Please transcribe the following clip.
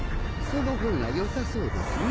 その方がよさそうですね。